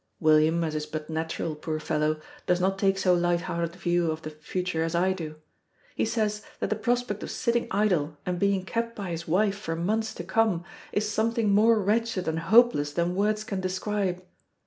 William, as is but natural, poor fellow, does not take so lighthearted view of the future as I do. He says that the prospect of sitting idle and being kept by his wife for months to come, is something more wretched and hopeless than words can describe.